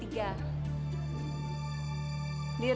ibu apa kabar